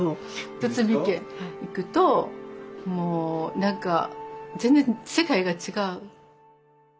堤家行くともう何か全然世界が違う。